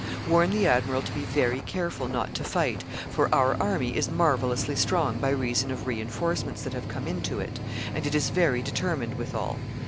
Warn the admiral to be very careful not to fight, for our army is marvellously strong by reason of re enforcements that have come in to it, and it is very determined withal.